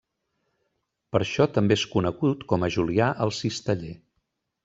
Per això també és conegut com a Julià el Cisteller.